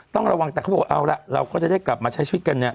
ต้องระวังแต่เขาบอกเอาล่ะเราก็จะได้กลับมาใช้ชีวิตกันเนี่ย